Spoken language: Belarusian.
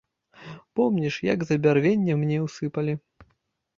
Помніш, як за бярвенне мне ўсыпалі?